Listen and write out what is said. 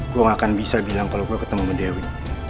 gue gak akan bisa bilang kalau gue ketemu sama dewi